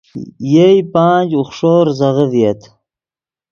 یئے پانچ، اوخݰو زیزغے ڤییت